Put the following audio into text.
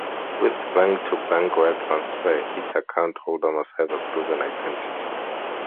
With bank-to-bank wire transfer, each account holder must have a proven identity.